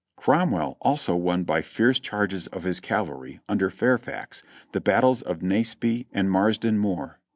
Cromwell also won by the fierce charges of his cavalry, under Fairfax, the battles of Naseby and Marsden Moor.